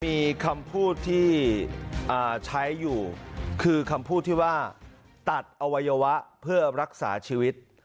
มีคำพูดที่ใช้อยู่คือคำพูดที่ว่าตัดอวัยวะเพื่อรักษาชีวิต